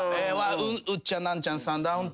ウッチャンナンチャンさんダウンタウンさん